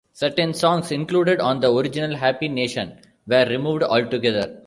Certain songs included on the original "Happy Nation" were removed altogether.